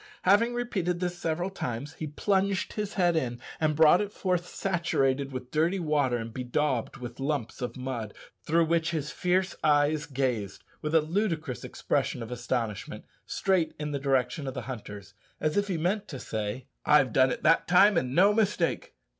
Having repeated this several times, he plunged his head in, and brought it forth saturated with dirty water and bedaubed with lumps of mud, through which his fierce eyes gazed, with a ludicrous expression of astonishment, straight in the direction of the hunters, as if he meant to say, "I've done it that time, and no mistake!"